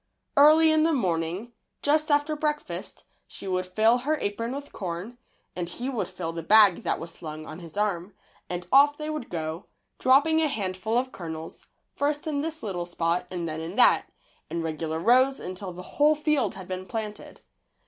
Early in the morning, just after breakfast, she would fill her apron with corn, and he would fill the bag that was slung on his arm, and off they would go, dropping a handful of kernels, first in this little spot and then in that, in regular rows until the whole field had been planted.